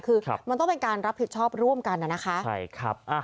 คือมันต้องเป็นการรับผิดชอบร่วมกันนะคะใช่ครับ